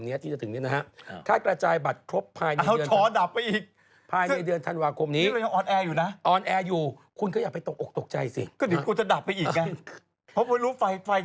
นี่มาถึงแล้วหรือเปล่าต้องวิ่งไหมต้องวิ่งไหมน่ะยังไม่รู้เลยเนี้ยเอาต่อต่อเอ้าอีบ้า